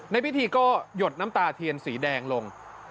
ในพิธีก็หยดน้ำตาเทียนสีแดงลง